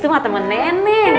tuh mah temen neneng